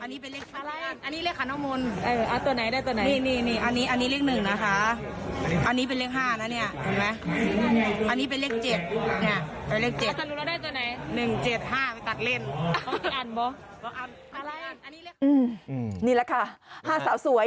นี่แหละค่ะ๕สาวสวย